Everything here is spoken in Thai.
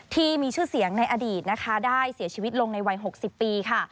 ที่มีชื่อเสียงในอดีตนะคะได้เสียชีวิตลงในวัย๖๐ปีค่ะ